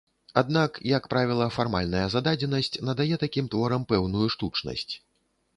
Аднак, як правіла, фармальная зададзенасць надае такім творам пэўную штучнасць.